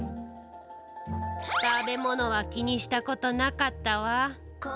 食べ物は気にしたことなかったわ。